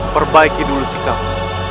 perbaiki dulu sikapmu